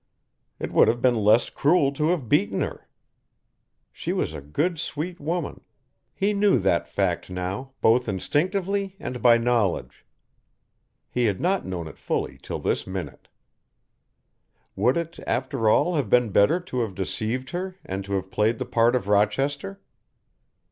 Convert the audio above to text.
It would have been less cruel to have beaten her. She was a good sweet woman. He knew that fact, now, both instinctively and by knowledge. He had not known it fully till this minute. Would it, after all, have been better to have deceived her and to have played the part of Rochester?